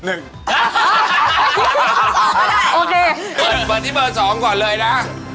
เอา๒ก็ได้โอเคเปิดที่เบอร์๒ก่อนเลยนะ